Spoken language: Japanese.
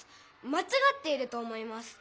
まちがっていると思います。